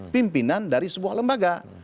pimpinan dari sebuah lembaga